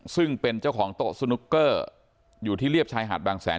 ซึ่งเป็นเจ้าของโต๊ะสนุกเกอร์อยู่ที่เรียบชายหาดบางแสน